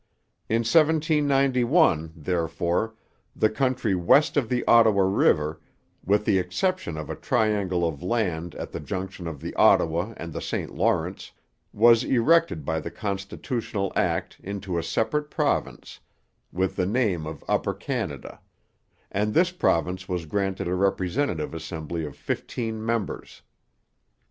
In 1791, therefore, the country west of the Ottawa river, with the exception of a triangle of land at the junction of the Ottawa and the St Lawrence, was erected by the Constitutional Act into a separate province, with the name of Upper Canada; and this province was granted a representative assembly of fifteen members.